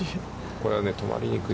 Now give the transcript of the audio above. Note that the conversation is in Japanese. これは止まりにくい。